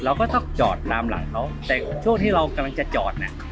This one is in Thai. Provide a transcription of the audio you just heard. เราก็ต้องจอดตามหลังเขาแต่ช่วงที่เรากำลังจะจอดเนี่ย